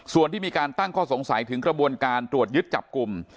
ส่วนที่มีการตั้งข้อสงสัยถึงกระบวนการตรวจยึดจับกลุ่ม